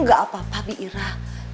gak apa apa di ira